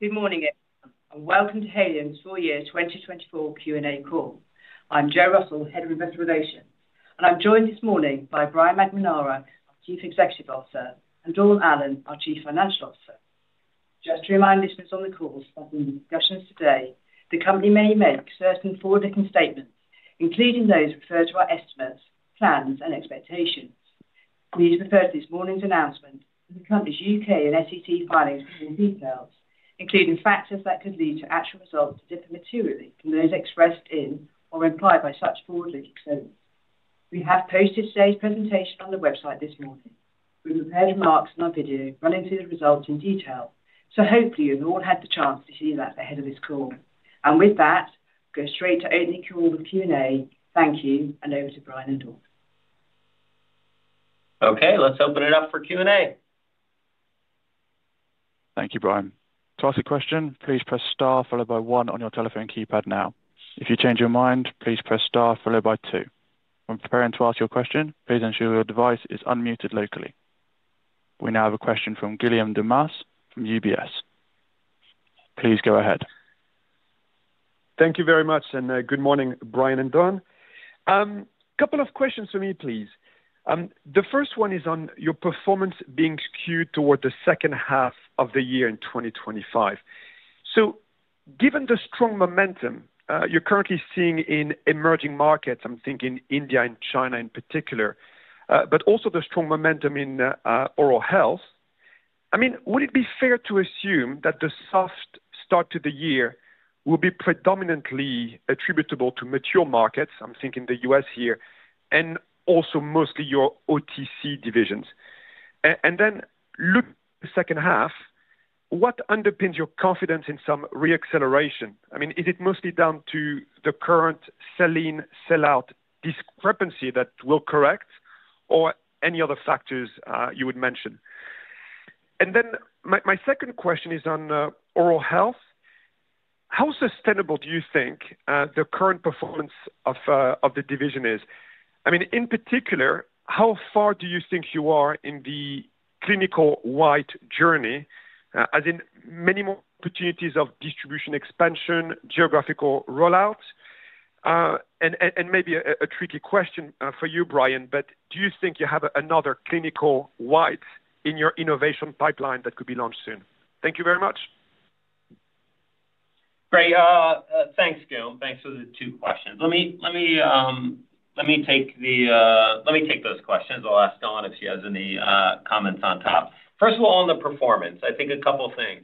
Good morning, everyone, and welcome to Haleon's Full Year 2024 Q&A Call. I'm Joanne Russell, Head of Investor Relations, and I'm joined this morning by Brian McNamara, our Chief Executive Officer, and Dawn Allen, our Chief Financial Officer. Just to remind listeners on the call, as in the discussions today, the company may make certain forward-looking statements, including those referring to our estimates, plans, and expectations. Please refer to this morning's announcement and the company's U.K. and SEC filings for more details, including factors that could lead to actual results that differ materially from those expressed in or implied by such forward-looking statements. We have posted today's presentation on the website this morning. We've prepared remarks in our video running through the results in detail, so hopefully you've all had the chance to see that ahead of this call, and with that, we'll go straight to opening call with Q&A. Thank you, and over to Brian and Dawn. Okay, let's open it up for Q&A. Thank you, Brian. To ask a question, please press Star followed by 1 on your telephone keypad now. If you change your mind, please press Star followed by 2. When preparing to ask your question, please ensure your device is unmuted locally. We now have a question from Guillaume Delmas from UBS. Please go ahead. Thank you very much, and good morning, Brian and Dawn. A couple of questions for me, please. The first one is on your performance being skewed toward the second half of the year in 2025. So, given the strong momentum you're currently seeing in emerging markets, I'm thinking India and China in particular, but also the strong momentum in oral health, I mean, would it be fair to assume that the soft start to the year will be predominantly attributable to mature markets? I'm thinking the U.S. here, and also mostly your OTC divisions. And then, looking at the second half, what underpins your confidence in some reacceleration? I mean, is it mostly down to the current sell-in/sell-out discrepancy that will correct, or any other factors you would mention? And then, my second question is on oral health. How sustainable do you think the current performance of the division is? I mean, in particular, how far do you think you are in the Clinical White journey, as in many more opportunities of distribution expansion, geographical rollouts? And maybe a tricky question for you, Brian, but do you think you have another Clinical White in your innovation pipeline that could be launched soon? Thank you very much. Great. Thanks, Guillaume. Thanks for the two questions. Let me take those questions. I'll ask Dawn if she has any comments on top. First of all, on the performance, I think a couple of things.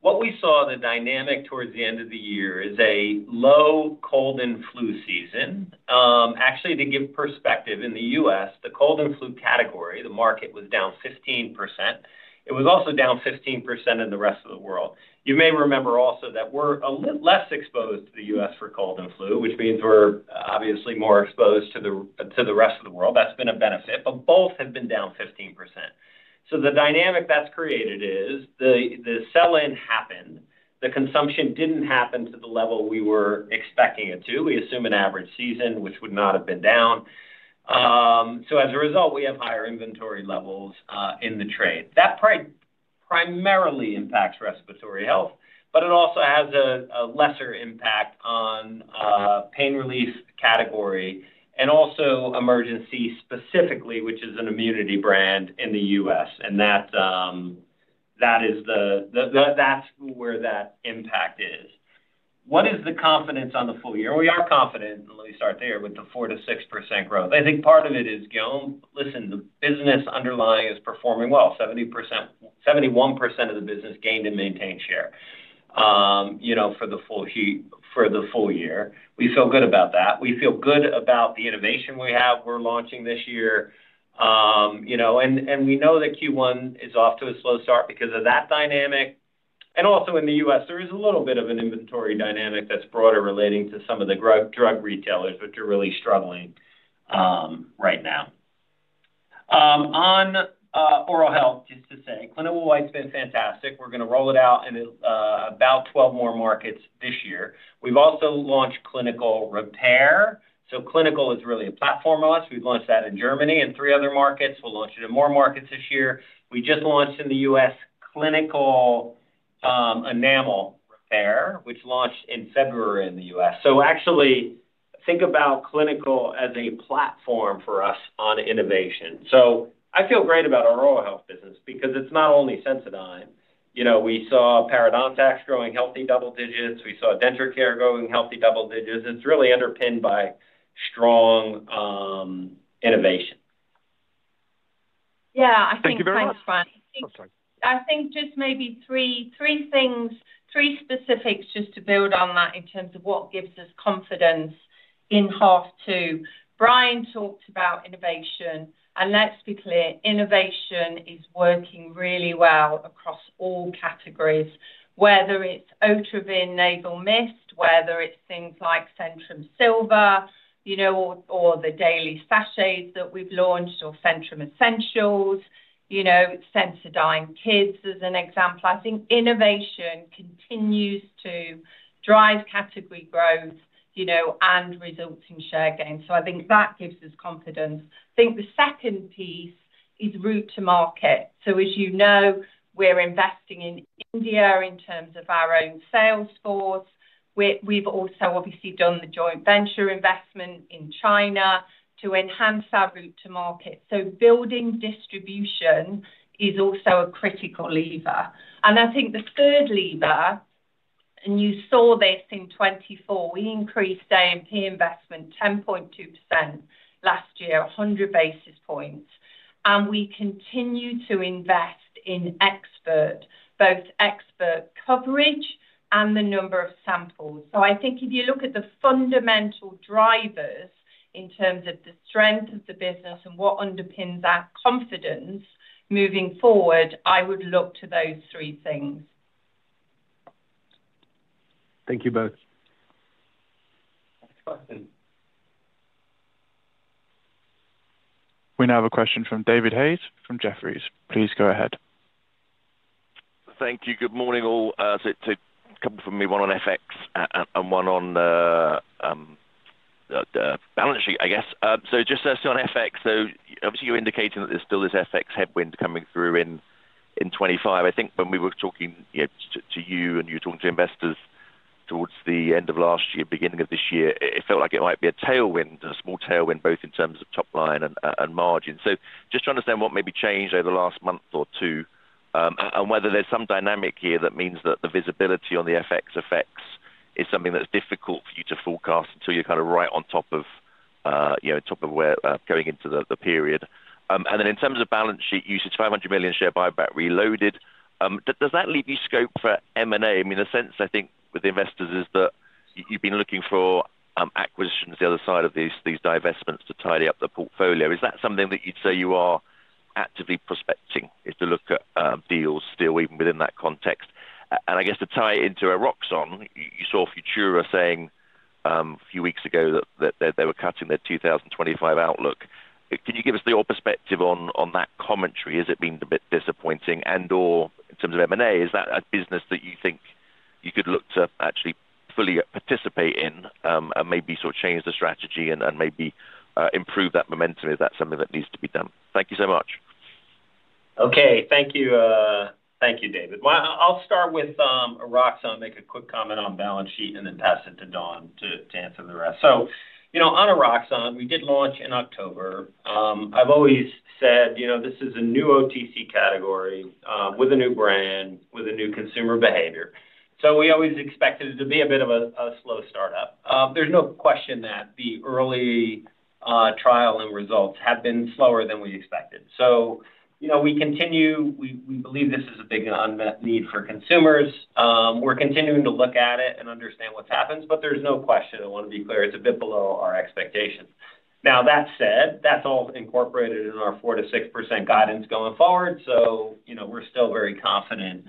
What we saw, the dynamic towards the end of the year, is a low cold and flu season. Actually, to give perspective, in the U.S., the cold and flu category, the market was down 15%. It was also down 15% in the rest of the world. You may remember also that we're a little less exposed to the U.S. for cold and flu, which means we're obviously more exposed to the rest of the world. That's been a benefit, but both have been down 15%. So the dynamic that's created is the sell-in happened. The consumption didn't happen to the level we were expecting it to. We assume an average season, which would not have been down. So, as a result, we have higher inventory levels in the trade. That primarily impacts respiratory health, but it also has a lesser impact on the pain relief category and also Emergen-C specifically, which is an immunity brand in the U.S. And that is where that impact is. What is the confidence on the full year? We are confident, and let me start there, with the 4%-6% growth. I think part of it is, Guillaume, listen, the business underlying is performing well. 71% of the business gained and maintained share for the full year. We feel good about that. We feel good about the innovation we have, we're launching this year. And we know that Q1 is off to a slow start because of that dynamic. And also, in the U.S., there is a little bit of an inventory dynamic that's broader relating to some of the drug retailers, which are really struggling right now. On oral health, just to say, Clinical White, it's been fantastic. We're going to roll it out in about 12 more markets this year. We've also launched Clinical Repair. So, Clinical is really a platform of us. We've launched that in Germany and three other markets. We'll launch it in more markets this year. We just launched in the U.S. Clinical Enamel Repair, which launched in February in the U.S. So, actually, think about Clinical as a platform for us on innovation. So, I feel great about our oral health business because it's not only Sensodyne. We saw Parodontax growing healthy double digits. We saw Denture Care growing healthy double digits. It's really underpinned by strong innovation. Yeah, I think. Thank you very much. Brian? I'm sorry. I think just maybe three specifics just to build on that in terms of what gives us confidence in half two. Brian talked about innovation, and let's be clear, innovation is working really well across all categories, whether it's Otrivine Nasal Mist, whether it's things like Centrum Silver, or the daily sachets that we've launched, or Centrum Essentials, Sensodyne Kids as an example. I think innovation continues to drive category growth and resulting share gains. So, I think that gives us confidence. I think the second piece is route to market. So, as you know, we're investing in India in terms of our own sales force. We've also obviously done the joint venture investment in China to enhance our route to market. So, building distribution is also a critical lever. I think the third lever, and you saw this in 2024, we increased A&P investment 10.2% last year, 100 basis points. We continue to invest in expert, both expert coverage and the number of samples. I think if you look at the fundamental drivers in terms of the strength of the business and what underpins our confidence moving forward, I would look to those three things. Thank you both. Next question. We now have a question from David Hayes from Jefferies. Please go ahead. Thank you. Good morning all. A couple from me, one on FX and one on the balance sheet, I guess. Just on FX, obviously, you're indicating that there's still this FX headwind coming through in 2025. I think when we were talking to you and you were talking to investors towards the end of last year, beginning of this year, it felt like it might be a tailwind, a small tailwind, both in terms of top line and margin. Just to understand what maybe changed over the last month or two, and whether there's some dynamic here that means that the visibility on the FX effects is something that's difficult for you to forecast until you're kind of right on top of where going into the period. Then, in terms of balance sheet, you said 500 million share buyback reloaded. Does that leave you scope for M&A? I mean, the sense, I think, with investors is that you've been looking for acquisitions on the other side of these divestments to tidy up the portfolio. Is that something that you'd say you are actively prospecting if you look at deals still, even within that context? And I guess to tie it into an Eroxon, you saw Futura Medical saying a few weeks ago that they were cutting their 2025 outlook. Can you give us your perspective on that commentary? Has it been a bit disappointing? And/or in terms of M&A, is that a business that you think you could look to actually fully participate in and maybe sort of change the strategy and maybe improve that momentum? Is that something that needs to be done? Thank you so much. Okay, thank you. Thank you, David. Well, I'll start with Eroxon. I'll make a quick comment on balance sheet and then pass it to Dawn to answer the rest. So, on Eroxon, we did launch in October. I've always said this is a new OTC category with a new brand, with a new consumer behavior. So, we always expected it to be a bit of a slow startup. There's no question that the early trial and results have been slower than we expected. So, we believe this is a big unmet need for consumers. We're continuing to look at it and understand what's happened, but there's no question, I want to be clear, it's a bit below our expectations. Now, that said, that's all incorporated in our 4%-6% guidance going forward. So, we're still very confident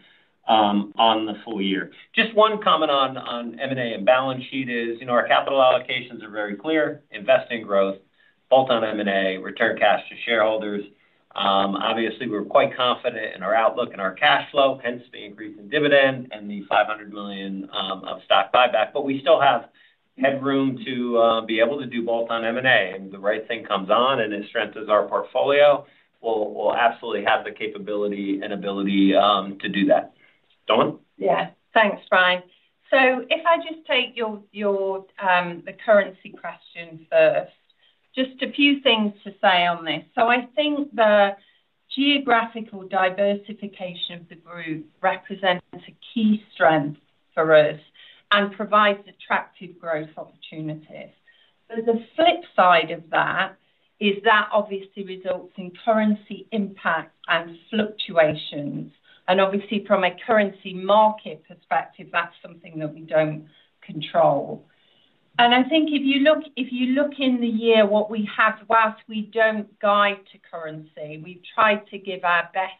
on the full year. Just one comment on M&A and balance sheet is our capital allocations are very clear: investing in growth, bolt-on M&A, return cash to shareholders. Obviously, we're quite confident in our outlook and our cash flow, hence the increase in dividend and the 500 million of stock buyback. But we still have headroom to be able to do bolt-on M&A. And the right thing comes along, and it strengthens our portfolio, we'll absolutely have the capability and ability to do that. Dawn? Yeah, thanks, Brian. So, if I just take the currency question first, just a few things to say on this. So, I think the geographical diversification of the group represents a key strength for us and provides attractive growth opportunities. But the flip side of that is that obviously results in currency impact and fluctuations. And obviously, from a currency market perspective, that's something that we don't control. And I think if you look in the year what we have while we don't guide to currency, we've tried to give our best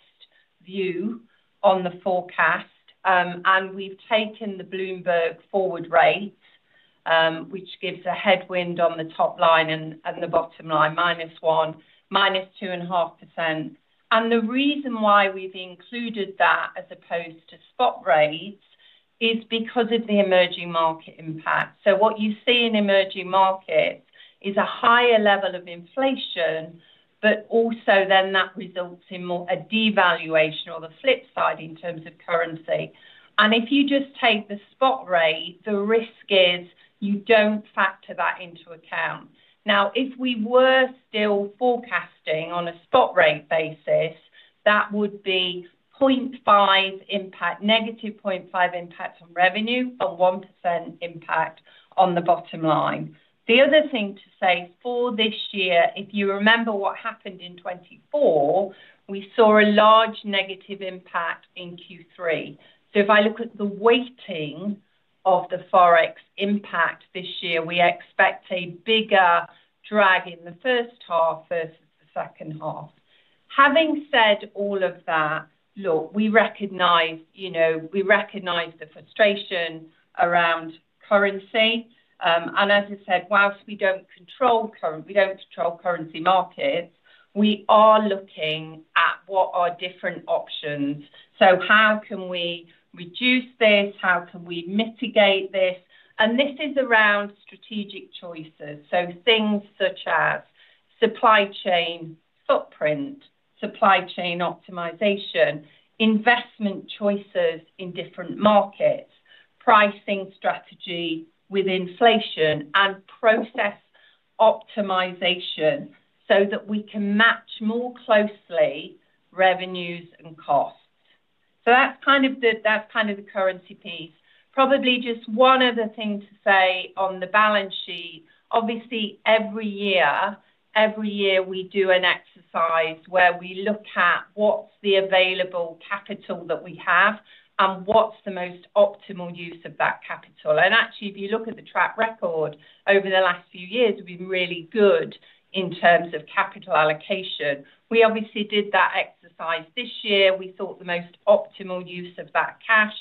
view on the forecast. And we've taken the Bloomberg forward rates, which gives a headwind on the top line and the bottom line, minus 1%, minus 2.5%. And the reason why we've included that as opposed to spot rates is because of the emerging market impact. What you see in emerging markets is a higher level of inflation, but also then that results in a devaluation or the flip side in terms of currency. And if you just take the spot rate, the risk is you don't factor that into account. Now, if we were still forecasting on a spot rate basis, that would be negative 0.5% impact on revenue and 1% impact on the bottom line. The other thing to say for this year, if you remember what happened in 2024, we saw a large negative impact in Q3. So, if I look at the weighting of the forex impact this year, we expect a bigger drag in the first half versus the second half. Having said all of that, look, we recognize the frustration around currency. And as I said, while we don't control currency markets, we are looking at what are different options. So, how can we reduce this? How can we mitigate this? And this is around strategic choices. So, things such as supply chain footprint, supply chain optimization, investment choices in different markets, pricing strategy with inflation, and process optimization so that we can match more closely revenues and costs. So, that's kind of the currency piece. Probably just one other thing to say on the balance sheet. Obviously, every year, we do an exercise where we look at what's the available capital that we have and what's the most optimal use of that capital. And actually, if you look at the track record over the last few years, we've been really good in terms of capital allocation. We obviously did that exercise this year. We thought the most optimal use of that cash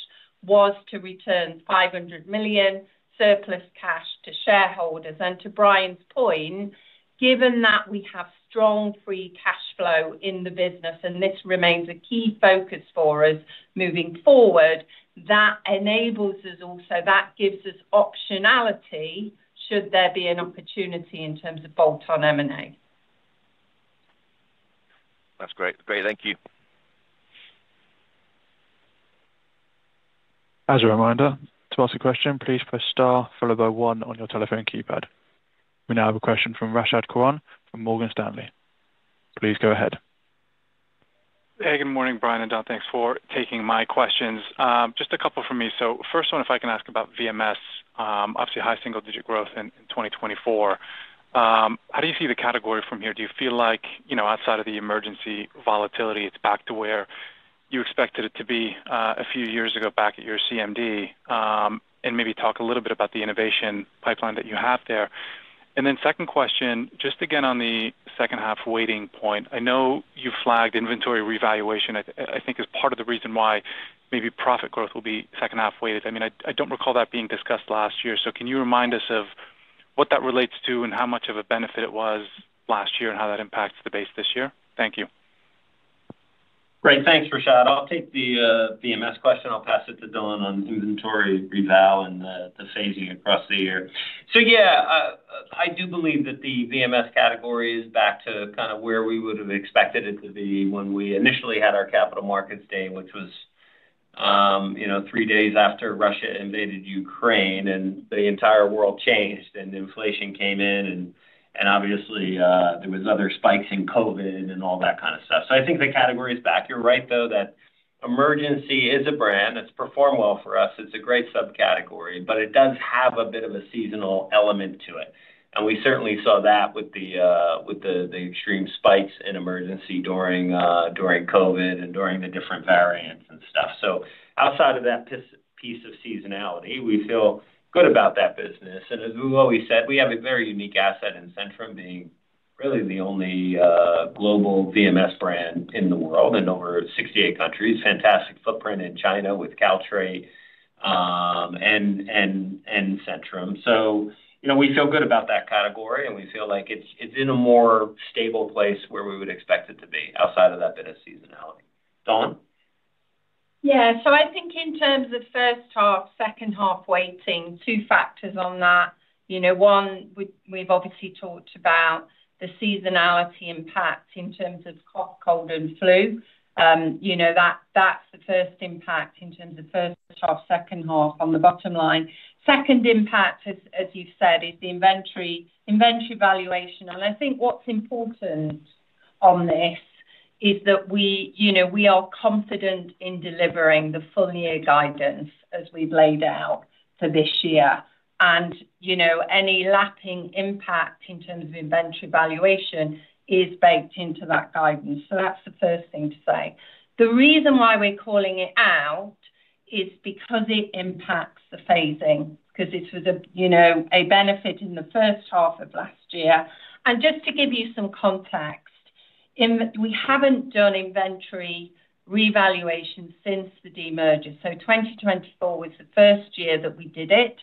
was to return 500 million surplus cash to shareholders. And to Brian's point, given that we have strong free cash flow in the business, and this remains a key focus for us moving forward, that enables us also, that gives us optionality should there be an opportunity in terms of bolt-on M&A. That's great. Great. Thank you. As a reminder, to ask a question, please press star followed by one on your telephone keypad. We now have a question from Rashad Kawan from Morgan Stanley. Please go ahead. Hey, good morning, Brian and Dawn. Thanks for taking my questions. Just a couple for me. So, first one, if I can ask about VMS, obviously high single-digit growth in 2024. How do you see the category from here? Do you feel like outside of the Emergen-C volatility, it's back to where you expected it to be a few years ago back at your CMD? And maybe talk a little bit about the innovation pipeline that you have there. And then second question, just again on the second-half weighting point, I know you flagged inventory revaluation, I think, as part of the reason why maybe profit growth will be second-half weighted. I mean, I don't recall that being discussed last year. So, can you remind us of what that relates to and how much of a benefit it was last year and how that impacts the base this year? Thank you. Great. Thanks, Rashad. I'll take the VMS question. I'll pass it to Dawn on inventory reval and the phasing across the year. So, yeah, I do believe that the VMS category is back to kind of where we would have expected it to be when we initially had our capital markets day, which was three days after Russia invaded Ukraine, and the entire world changed, and inflation came in, and obviously, there were other spikes in COVID and all that kind of stuff. So, I think the category is back. You're right, though, that Emergen-C is a brand. It's performed well for us. It's a great subcategory, but it does have a bit of a seasonal element to it. And we certainly saw that with the extreme spikes in Emergen-C during COVID and during the different variants and stuff. So, outside of that piece of seasonality, we feel good about that business. And as we've always said, we have a very unique asset in Centrum, being really the only global VMS brand in the world in over 68 countries, fantastic footprint in China with Caltrate and Centrum. So, we feel good about that category, and we feel like it's in a more stable place where we would expect it to be outside of that bit of seasonality. Dawn? Yeah. So, I think in terms of first half, second half weighting, two factors on that. One, we've obviously talked about the seasonality impact in terms of cough, cold, and flu. That's the first impact in terms of first half, second half on the bottom line. Second impact, as you've said, is the inventory revaluation. And I think what's important on this is that we are confident in delivering the full year guidance as we've laid out for this year. And any lapping impact in terms of inventory revaluation is baked into that guidance. So, that's the first thing to say. The reason why we're calling it out is because it impacts the phasing, because this was a benefit in the first half of last year. And just to give you some context, we haven't done inventory revaluation since the demerger. 2024 was the first year that we did it.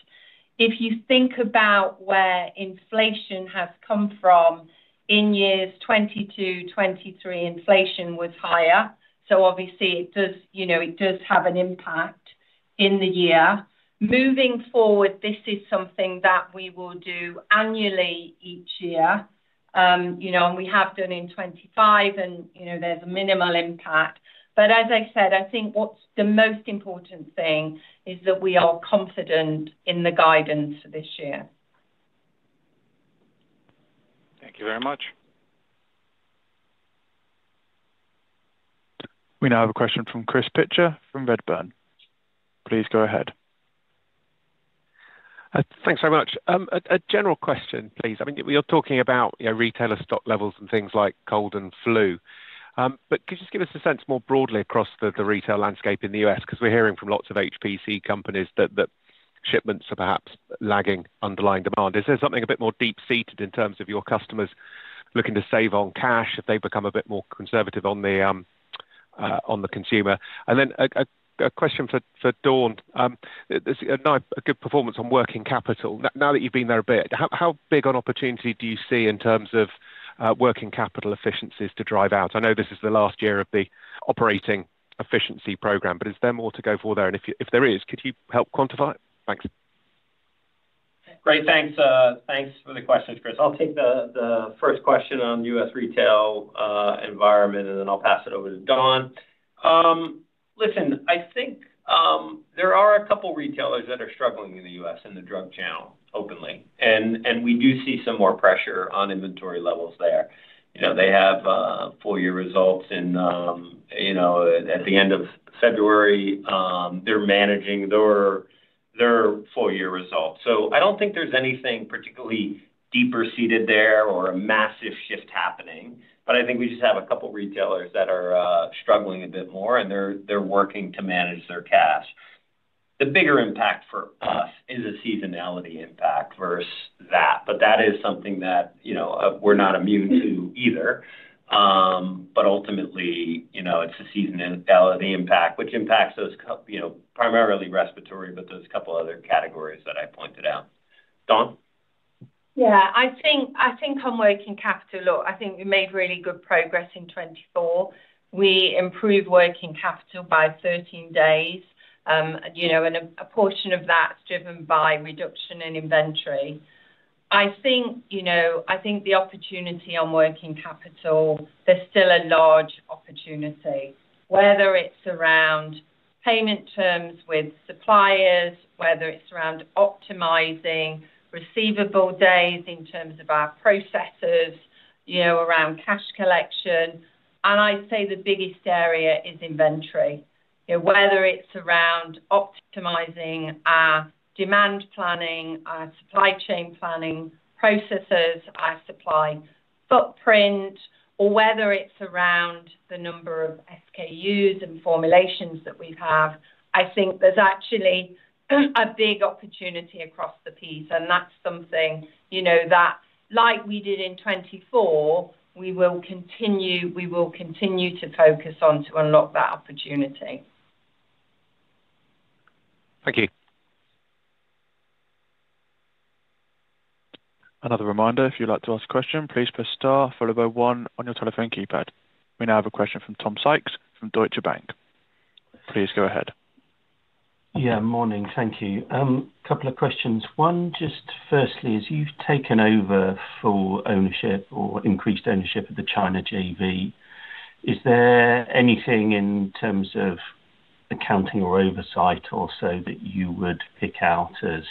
If you think about where inflation has come from, in years 2022, 2023, inflation was higher. Obviously, it does have an impact in the year. Moving forward, this is something that we will do annually each year, and we have done in 2025, and there's a minimal impact. As I said, I think what's the most important thing is that we are confident in the guidance for this year. Thank you very much. We now have a question from Chris Pitcher, from Redburn. Please go ahead. Thanks very much. A general question, please. I mean, we are talking about retailer stock levels and things like cold and flu. But could you just give us a sense more broadly across the retail landscape in the U.S.? Because we're hearing from lots of HPC companies that shipments are perhaps lagging underlying demand. Is there something a bit more deep-seated in terms of your customers looking to save on cash if they become a bit more conservative on the consumer? And then a question for Dawn. There's a good performance on working capital. Now that you've been there a bit, how big an opportunity do you see in terms of working capital efficiencies to drive out? I know this is the last year of the operating efficiency program, but is there more to go for there? And if there is, could you help quantify it? Thanks. Great. Thanks for the questions, Chris. I'll take the first question on U.S. retail environment, and then I'll pass it over to Dawn. Listen, I think there are a couple of retailers that are struggling in the U.S. in the drug channel openly. And we do see some more pressure on inventory levels there. They have full year results, and at the end of February, they're managing their full year results. So, I don't think there's anything particularly deeper-seated there or a massive shift happening. But I think we just have a couple of retailers that are struggling a bit more, and they're working to manage their cash. The bigger impact for us is a seasonality impact versus that. But that is something that we're not immune to either. But ultimately, it's a seasonality impact, which impacts primarily respiratory, but there's a couple of other categories that I pointed out. Dawn? Yeah. I think on working capital, look, I think we made really good progress in 2024. We improved working capital by 13 days. A portion of that's driven by reduction in inventory. I think the opportunity on working capital, there's still a large opportunity, whether it's around payment terms with suppliers, whether it's around optimizing receivable days in terms of our processes, around cash collection. I'd say the biggest area is inventory. Whether it's around optimizing our demand planning, our supply chain planning, processes, our supply footprint, or whether it's around the number of SKUs and formulations that we have, I think there's actually a big opportunity across the piece. That's something that, like we did in 2024, we will continue to focus on to unlock that opportunity. Thank you. Another reminder, if you'd like to ask a question, please press star followed by one on your telephone keypad. We now have a question from Tom Sykes from Deutsche Bank. Please go ahead. Yeah. Morning. Thank you. A couple of questions. One, just firstly, as you've taken over full ownership or increased ownership of the China JV, is there anything in terms of accounting or oversight or so that you would pick out as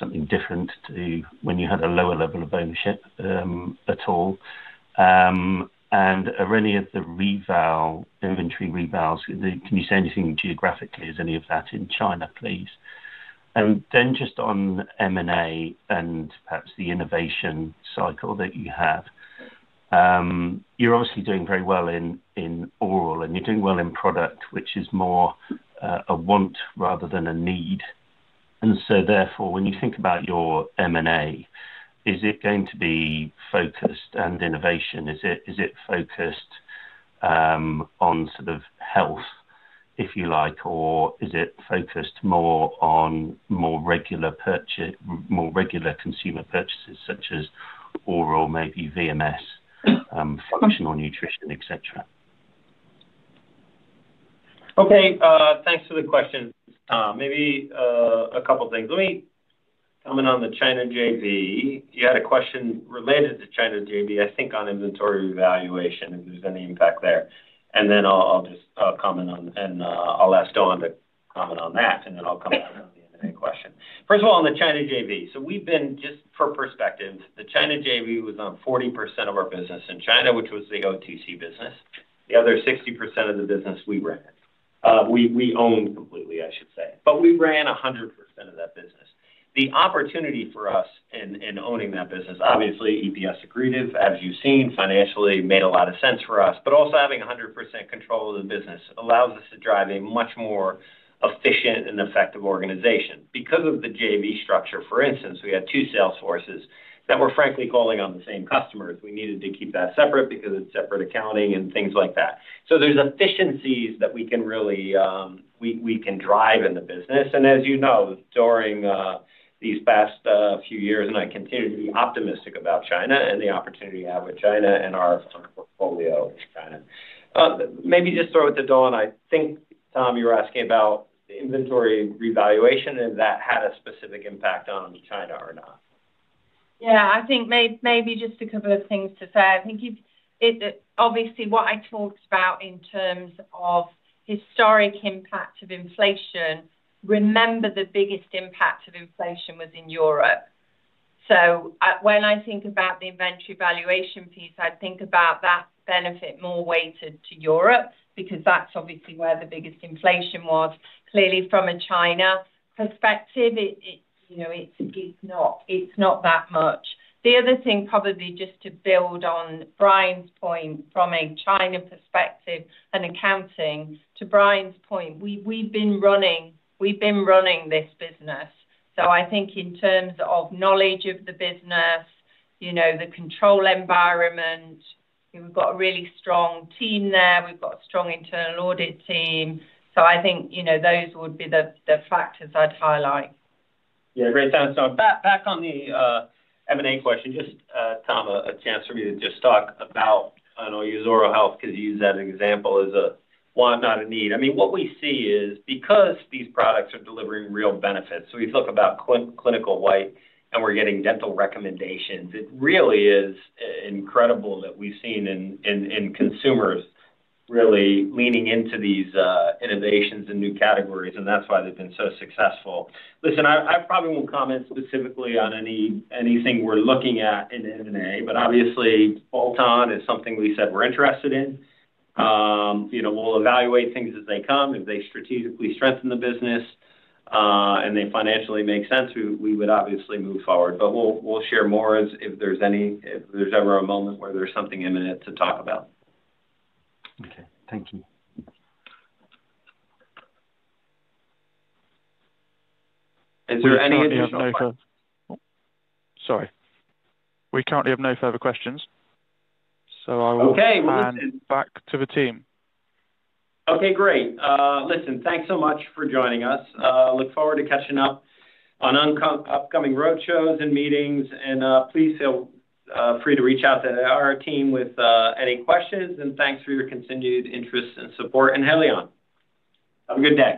something different to when you had a lower level of ownership at all? And are any of the inventory revals? Can you say anything geographically? Is any of that in China, please? And then just on M&A and perhaps the innovation cycle that you have, you're obviously doing very well in oral, and you're doing well in product, which is more a want rather than a need. And so, therefore, when you think about your M&A, is it going to be focused and innovation? Is it focused on sort of health, if you like, or is it focused more on more regular consumer purchases such as oral, maybe VMS, functional nutrition, etc.? Okay. Thanks for the question. Maybe a couple of things. Let me comment on the China JV. You had a question related to China JV, I think on inventory revaluation, if there's any impact there. And then I'll just comment on, and I'll ask Dawn to comment on that, and then I'll come back on the end of that question. First of all, on the China JV, so we've been, just for perspective, the China JV was on 40% of our business in China, which was the OTC business. The other 60% of the business we ran. We owned completely, I should say. But we ran 100% of that business. The opportunity for us in owning that business, obviously, EPS accretive, as you've seen, financially made a lot of sense for us. But also having 100% control of the business allows us to drive a much more efficient and effective organization. Because of the JV structure, for instance, we had two sales forces that were, frankly, calling on the same customers. We needed to keep that separate because it's separate accounting and things like that. So there's efficiencies that we can really drive in the business. And as you know, during these past few years, and I continue to be optimistic about China and the opportunity we have with China and our portfolio with China. Maybe just throw it to Dawn. I think, Tom, you were asking about inventory revaluation, and that had a specific impact on China or not? Yeah. I think maybe just a couple of things to say. I think obviously what I talked about in terms of historic impact of inflation. Remember the biggest impact of inflation was in Europe. So when I think about the inventory valuation piece, I'd think about that benefit more weighted to Europe because that's obviously where the biggest inflation was. Clearly, from a China perspective, it's not that much. The other thing, probably just to build on Brian's point from a China perspective and accounting, to Brian's point, we've been running this business. So I think in terms of knowledge of the business, the control environment, we've got a really strong team there. We've got a strong internal audit team. So I think those would be the factors I'd highlight. Yeah. Great answer. Back on the M&A question, just, Tom, a chance for me to just talk about, I know you use oral health because you use that example as a why not a need. I mean, what we see is because these products are delivering real benefits, so we talk about Clinical White, and we're getting dental recommendations. It really is incredible that we've seen in consumers really leaning into these innovations and new categories, and that's why they've been so successful. Listen, I probably won't comment specifically on anything we're looking at in M&A, but obviously, bolt-on is something we said we're interested in. We'll evaluate things as they come. If they strategically strengthen the business and they financially make sense, we would obviously move forward. But we'll share more if there's ever a moment where there's something imminent to talk about. Okay. Thank you. Is there any additional questions? We have no further questions. Sorry. We currently have no further questions. So I will hand it back to the team. Okay. Great. Listen, thanks so much for joining us. Look forward to catching up on upcoming road shows and meetings. And please feel free to reach out to our team with any questions. And thanks for your continued interest and support in Haleon. Have a good day.